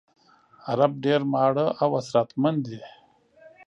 عرب ډېر ماړه او اسراتمن دي.